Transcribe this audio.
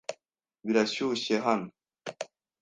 Birashyushye hano.